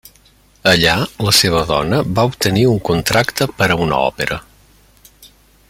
Allà, la seva dona, va obtenir un contracte per a una òpera.